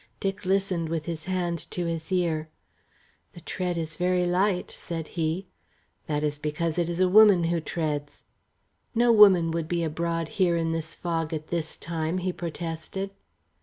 Dick listened with his hand to his ear. "The tread is very light," said he. "That is because it is a woman who treads." "No woman would be abroad here in this fog at this time," he protested.